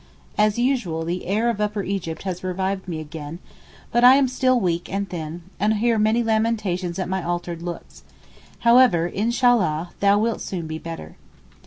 As usual the air of Upper Egypt has revived me again, but I am still weak and thin, and hear many lamentations at my altered looks. However, 'Inshallah, thou wilt soon be better.